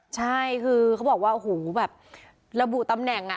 ใช่คือเขาบอกว่าโอ้โหแบบระบุตำแหน่งอ่ะ